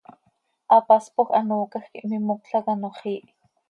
Hapaspoj hanoocaj quih mimocl hac ano xiih.